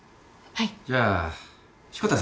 はい。